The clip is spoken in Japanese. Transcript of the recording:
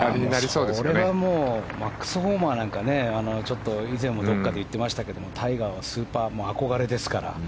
それはもうマックス・ホマなんかは以前もどこかで言ってましたけどタイガーは憧れですから。